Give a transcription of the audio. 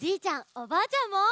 おばあちゃんも。